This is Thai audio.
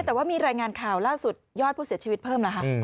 แต่ว่ามีรายงานข่าวล่าสุดยอดผู้เสียชีวิตเพิ่มแล้วค่ะ